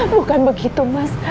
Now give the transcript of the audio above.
bukan begitu mas